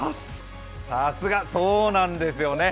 さすが、そうなんですよね。